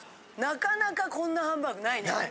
なかなかこんなハンバーグないね。